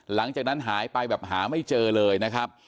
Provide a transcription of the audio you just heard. หลังจากนั้นหายไปแบบหาไม่เจอเลยนะครับ